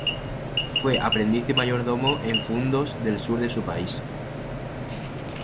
Fue aprendiz y mayordomo en fundos del sur de su país.